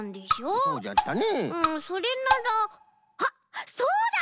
うんそれならあっそうだ！